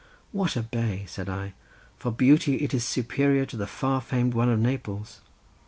"What a bay!" said I, "for beauty it is superior to the far famed one of Naples.